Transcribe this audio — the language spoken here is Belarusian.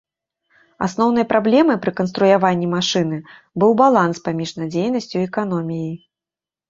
Асноўнай праблемай пры канструяванні машыны быў баланс паміж надзейнасцю і эканоміяй.